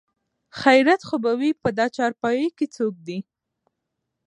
خېرت خو به وي په دا چارپايي کې څوک دي?